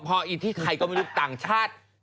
พอที่ใครก็ไม่รู้ต่างชาติ